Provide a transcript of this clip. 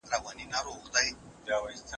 نرسان د ناروغانو پالنه کوي.